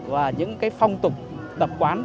và những phong tục tập quán